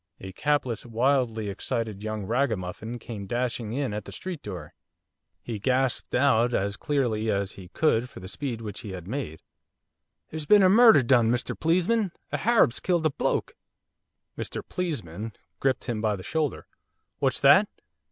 A capless, wildly excited young ragamuffin came dashing in at the street door. He gasped out, as clearly as he could for the speed which he had made: 'There's been murder done, Mr Pleesman, a Harab's killed a bloke.' 'Mr Pleesman' gripped him by the shoulder. 'What's that?